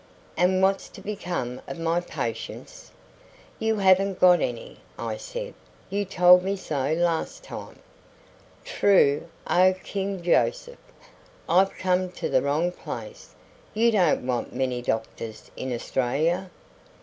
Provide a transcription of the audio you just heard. "And what's to become of my patients?" "You haven't got any," I said. "You told me so last time." "True, O King Joseph! I've come to the wrong place; you don't want many doctors in Australia.